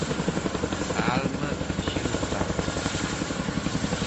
A alma xa non tanto.